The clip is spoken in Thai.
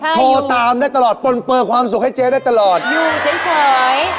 โทรตามได้ตลอดตนเปิดความสุขให้เจ๊ได้ตลอดอยู่เฉย